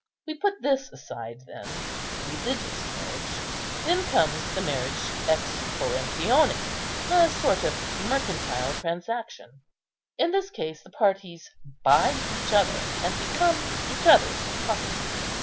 We put this aside then, the religious marriage. Next comes the marriage ex coemptione, a sort of mercantile transaction. In this case the parties buy each other, and become each other's property.